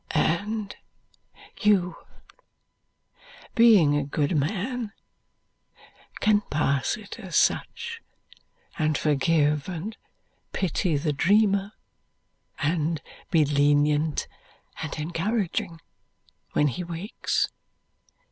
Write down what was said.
"And you, being a good man, can pass it as such, and forgive and pity the dreamer, and be lenient and encouraging when he wakes?"